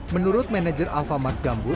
menurut manajer alfamat gambut